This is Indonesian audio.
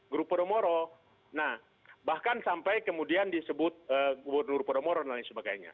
guru podomoro nah bahkan sampai kemudian disebut gubernur podomoro dan lain sebagainya